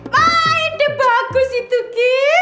waduh bagus itu ki